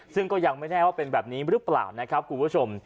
ซึ่งก็ยังไม่แน่ว่าเป็นแบบนี้หรือเปล่านะครับคุณผู้ชม